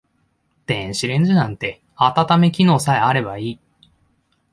電子レンジなんて温め機能さえあればいい